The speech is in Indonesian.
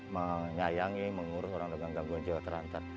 menyayangi mengurus orang dengan gangguan jiwa terantar